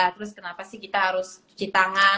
terus kenapa sih kita harus cuci tangan